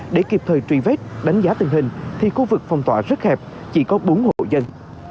để kịp thời truy vết đánh giá tình hình thì khu vực phòng tỏa rất hẹp chỉ có bốn hộ dân